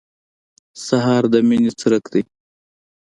سهار د مینې څرک دی.